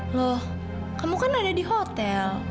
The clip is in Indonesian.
loh kamu kan ada di hotel